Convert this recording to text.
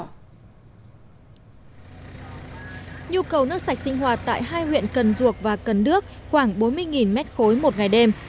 nhu cầu nước sạch sinh hoạt tại hai huyện cần duộc và cần đước khoảng bốn mươi m ba một ngày đêm